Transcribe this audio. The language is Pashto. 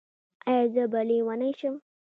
ایا زه به لیونۍ شم؟